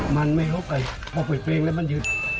มันไม่รบกันพอเปิดเพลงแล้วมันหยุด